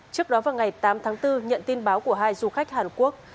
trước đó vào ngày tám tháng bốn nhận tin báo của hai du khách hàn quốc